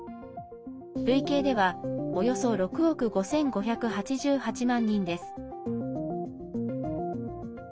累計ではおよそ６億５５８８万人です。